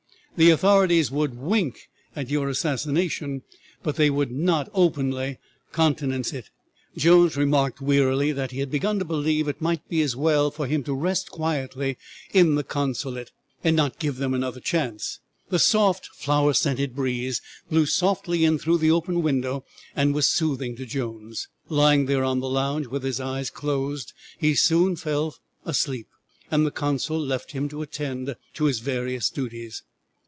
The authorities would wink at your assassination, but they would not openly countenance it." Jones remarked wearily that he had begun to believe it might be as well for him to rest quietly in the consulate, and not give them another chance. The soft flower scented breeze blew softly in through the open window and was soothing to Jones. Lying there on the lounge with his eyes closed, he soon fell asleep, and the consul left him to attend to his various duties.